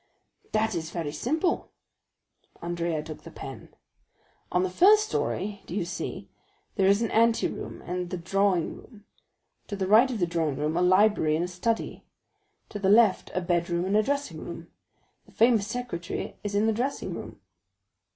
"That is very simple." Andrea took the pen. "On the first story, do you see, there is the anteroom and the drawing room; to the right of the drawing room, a library and a study; to the left, a bedroom and a dressing room. The famous secretaire is in the dressing room."